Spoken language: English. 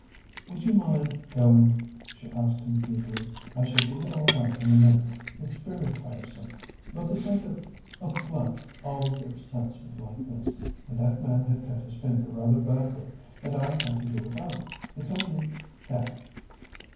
"Would you mind going?" she asked him feebly. "I shall be all right in a minute. It's very tiresome, but the sight of of blood always upsets me like this, and that man had cut his finger rather badly, and I had to do it up. It's only that."